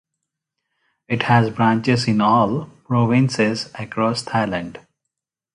It has branches in all provinces across Thailand.